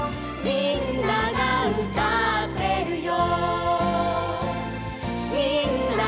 「みんながうたってるよ」